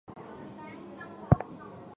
它的总部位于雅典。